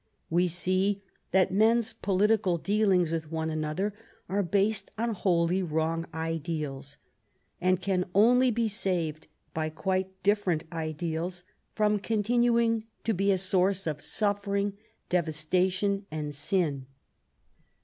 We see that men's political dealings with one another are based on wholly wrong ideals, and can only be saved by quite different ideals from continuing to be a source of suffering, devastation, and sin.